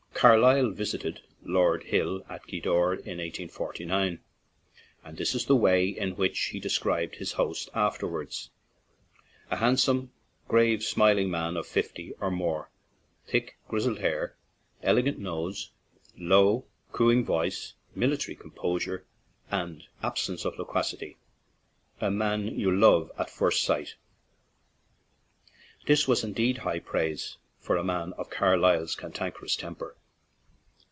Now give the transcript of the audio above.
Carlyle visited Lord Hill at Gweedore in 1849, and this is the way in which he described his host afterwards: "A hand some, grave smiling man of fifty or more; thick, grizzled hair; elegant nose; low, cooing voice; military composure and ab sence of loquacity; a man you love at first sight." This was indeed high praise 42 GWEEDORE TO GLENTIES from a man of Carlyle's cantankerous temper.